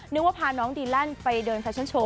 นึกว่าพาน้องดีแลนด์ไปเดินแฟชั่นโชว